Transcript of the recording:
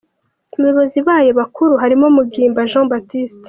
Mu bayobozi bayo bakuru harimo Mugimba Jean Baptiste.